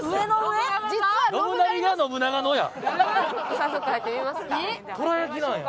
早速入ってみますか。